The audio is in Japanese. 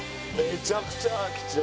めちゃくちゃ貴重。